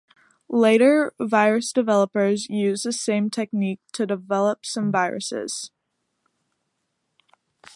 Later virus developers used the same technique to develop some viruses.